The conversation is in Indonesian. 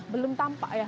belum tampak ya